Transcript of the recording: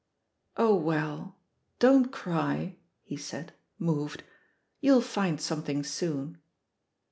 "Oh, well, don't cry," he said, moved; "you'll find something soon."